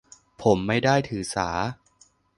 ผมไม่ได้ถือสา